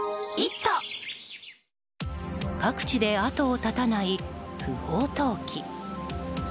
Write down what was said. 各地で後を絶たない不法投棄。